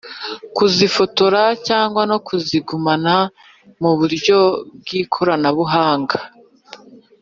Kuzifotora cyangwa no kuzigumana muburyo bw’ikora buhanga